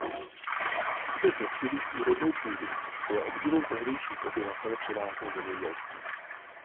I přes nepříliš úrodnou půdu bylo obživou tehdejších obyvatel převážně zemědělství.